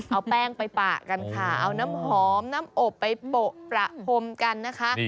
เอาแป้งไปปะกันค่ะเอาน้ำหอมน้ำอบไปโปะประพรมกันนะคะ